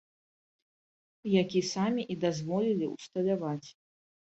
Які самі і дазволілі ўсталяваць.